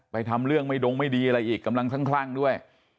ทำเรื่องไม่ดงไม่ดีอะไรอีกกำลังคลั่งด้วย